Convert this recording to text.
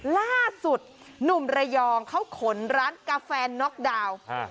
ล่าสุดหนุ่มระยองเขาขนร้านกาแฟน็อกดาวน์